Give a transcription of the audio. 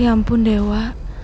ya ampun dewa